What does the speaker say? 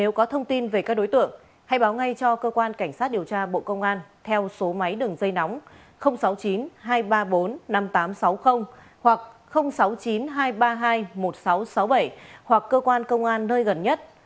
nếu có thông tin về các đối tượng hãy báo ngay cho cơ quan cảnh sát điều tra bộ công an theo số máy đường dây nóng sáu mươi chín hai trăm ba mươi bốn năm nghìn tám trăm sáu mươi hoặc sáu mươi chín hai trăm ba mươi hai một nghìn sáu trăm sáu mươi bảy hoặc cơ quan công an nơi gần nhất